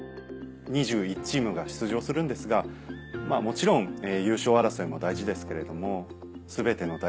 ２１チームが出場するんですがもちろん優勝争いも大事ですけれども。